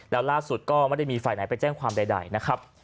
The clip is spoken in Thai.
แล้วล่าสุดก็ไม่ได้มีฝ่ายไหนไปแจ้งความใดนะครับ